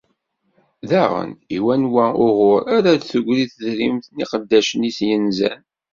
Daɣen, i wanwa uɣur ara d-teggri tedrimt n yiqeddicen-is yenzan.